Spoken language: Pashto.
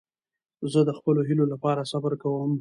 زه د خپلو هیلو له پاره صبر کوم.